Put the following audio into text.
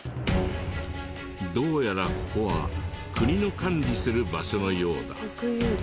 どうやらここは国の管理する場所のようだ。